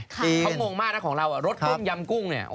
เขางงมากนะของเรารสกุ้งยำกุ้งเนี่ย